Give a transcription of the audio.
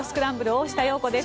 大下容子です。